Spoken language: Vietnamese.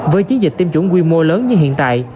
với chiến dịch tiêm chủng quy mô lớn như hiện tại